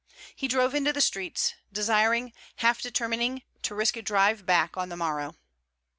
He drove into the streets, desiring, half determining, to risk a drive back on the morrow.